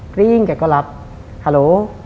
กริ้งแกก็รับฮัลโหล